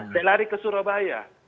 saya lari ke surabaya